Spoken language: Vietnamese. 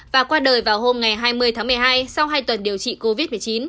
và qua đời vào hôm ngày hai mươi tháng một mươi hai sau hai tuần điều trị covid một mươi chín